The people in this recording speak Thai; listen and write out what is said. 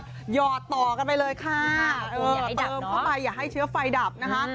หย่อต่อกันไปเลยค่ะเออเอาไปอย่าให้เชื้อไฟดับนะคะ